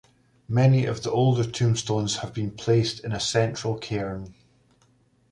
Many of the older tombstones have been placed in a central cairn.